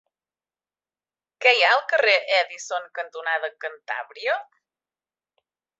Què hi ha al carrer Edison cantonada Cantàbria?